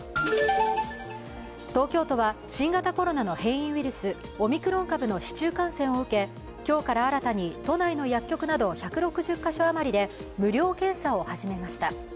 東京都は新型コロナの変異ウイルス、オミクロン株の市中感染を受け今日から新たに都内の薬局など１６０カ所余りで無料検査を始めました。